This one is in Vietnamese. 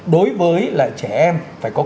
đối với là trẻ em phải có